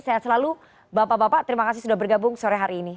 sehat selalu bapak bapak terima kasih sudah bergabung sore hari ini